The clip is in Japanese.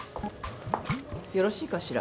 ・よろしいかしら？